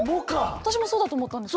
私もそうだと思ったんです。